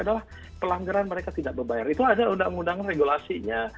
adalah pelanggaran mereka tidak membayar itu ada undang undang regulasinya